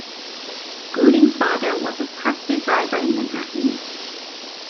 Gooding's father was a taxi driver in Manhattan.